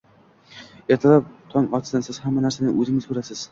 Ertalab tong otsin, siz hamma narsani o'zingiz ko'rasiz: